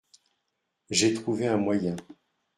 J’ai trouvé un moyen.